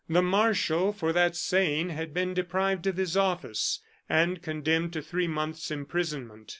The marshal, for that saying, had been deprived of his office, and condemned to three months' imprisonment.